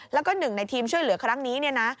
แล้วก็หนึ่งในทีมช่วยเหลือครั้งนี้